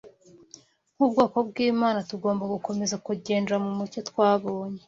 Nk’ubwoko bw’Imana, tugomba gukomeza kugendera mu mucyo twabonye